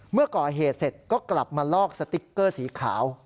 เมื่อก่อเหตุเสร็จก็กลับมาลอกสติ๊กเกอร์สีขาว